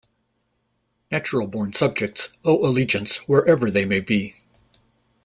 Natural-born subjects owe allegiance wherever they may be.